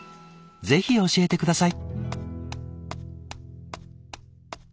ぜひ教えて下さい。